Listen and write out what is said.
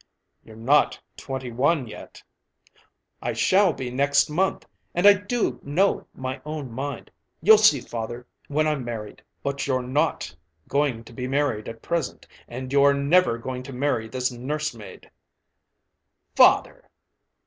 "You're not twenty one yet." "I shall be next month. And I do know my own mind. You'll see, father, when I'm married." "But you're not going to be married at present. And you're never going to marry this nursemaid." "Father!"